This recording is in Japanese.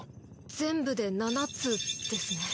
全部で七つですね。